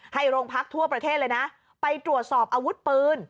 โรงพักทั่วประเทศเลยนะไปตรวจสอบอาวุธปืน